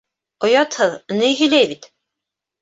— Оятһыҙ, ни һөйләй бит.